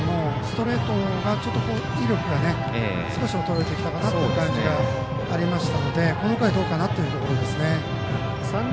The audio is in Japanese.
前の回は盛田君もストレートの威力が少し衰えてきたかなという感じがありましたので、この回どうかなという感じですね。